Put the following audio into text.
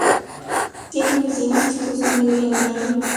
Tienen un diseño vistoso, negro y amarillo.